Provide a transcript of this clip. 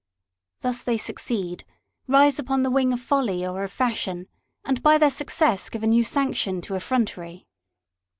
Thus they succeed ; rise upon the wing of folly or of fashion, and by their success give a new sanction to effrontery.